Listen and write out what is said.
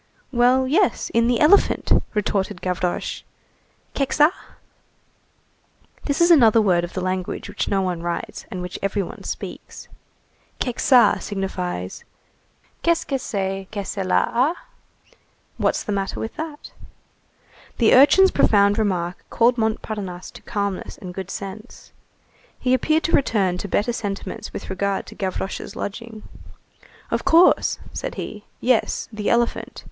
"Well, yes, in the elephant!" retorted Gavroche. "Kekçaa?" This is another word of the language which no one writes, and which every one speaks. Kekçaa signifies: _Qu'est que c'est que cela a? _ [What's the matter with that?] The urchin's profound remark recalled Montparnasse to calmness and good sense. He appeared to return to better sentiments with regard to Gavroche's lodging. "Of course," said he, "yes, the elephant.